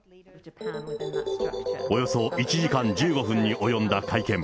およそ１時間１５分に及んだ会見。